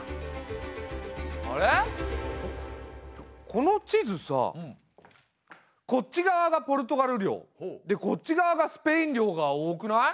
この地図さあこっち側がポルトガル領でこっち側がスペイン領が多くない？